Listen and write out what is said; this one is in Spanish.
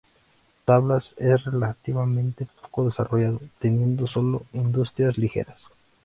Tablas es relativamente poco desarrollado, teniendo solo industrias ligeras.